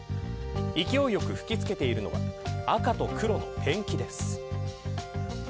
勢いよく吹きつけているのは赤と黒のペンキです。